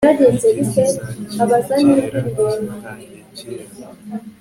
Igihe cyizacyakera cyatangiye kera